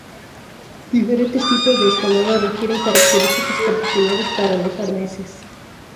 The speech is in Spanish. Diferentes tipos de escalada requieren características particulares para los arneses.